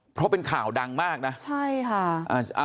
เพราะเป็นข่าวดังมากนะใช่ค่ะ